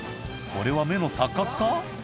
これは目の錯覚か？